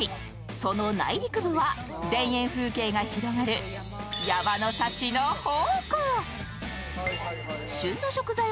その内陸部は田園風景が広がる山の幸の宝庫。